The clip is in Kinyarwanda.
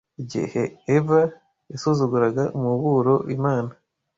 Igihe Eva yasuzuguraga umuburo Imana